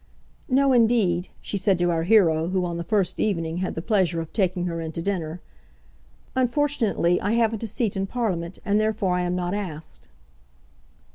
"No, indeed," she said to our hero, who on the first evening had the pleasure of taking her in to dinner, "unfortunately I haven't a seat in Parliament, and therefore I am not asked."